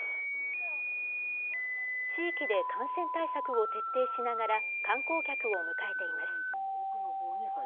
地域で感染対策を徹底しながら、観光客を迎えています。